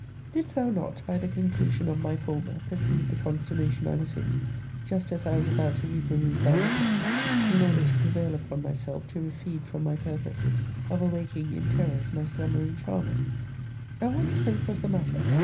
Didst thou not, by the conclusion of my former, perceive the consternation I was in, just as I was about to reperuse thy letter, in order to prevail upon myself to recede from my purpose of awaking in terrors my slumbering charmer? And what dost think was the matter?